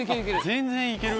全然行ける。